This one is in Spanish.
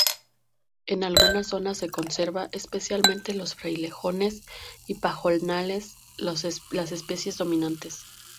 En alguna zona se conserva, especialmente los frailejones y pajonales, las especies dominantes.